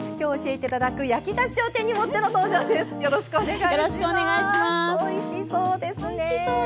おいしそうですね！